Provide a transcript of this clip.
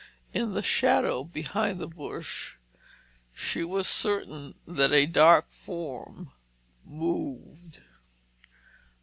In the shadow behind the bush, she was certain that a dark form moved.